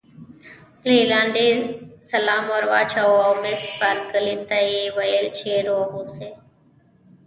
رینالډي سلام ور واچاوه او مس بارکلي ته یې وویل چې روغ اوسی.